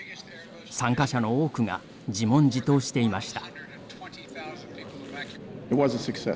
参加者の多くが自問自答していました。